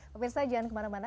pemirsa jangan kemana mana